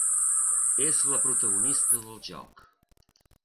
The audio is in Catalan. És la protagonista del joc.